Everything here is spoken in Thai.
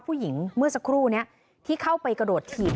เมื่อสักครู่นี้ที่เข้าไปกระโดดถีบ